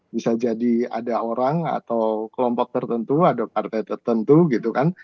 bisa jadi ada orang atau kelompok tertentu ada partai tertentu gitu kan